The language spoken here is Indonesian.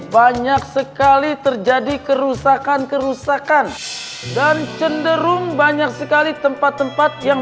banyak sekali terjadi kerusakan kerusakan dan cenderung banyak sekali tempat tempat yang